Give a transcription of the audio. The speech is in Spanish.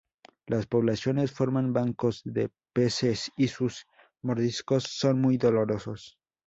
Las poblaciones forman bancos de peces y sus mordiscos son muy dolorosos.